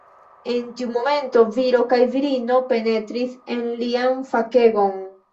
En tiu momento viro kaj virino penetris en lian fakegon.